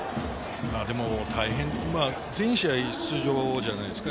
全試合出場じゃないですか？